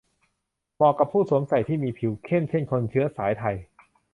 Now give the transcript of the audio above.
เหมาะกับผู้สวมใส่ที่มีผิวเข้ม เช่น คนเชื้อสายไทย